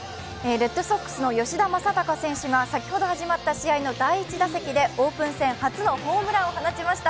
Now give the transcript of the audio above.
レッドソックスの吉田正尚選手が、先ほど始まった試合の第１打席でオープン戦初のホームランを放ちました。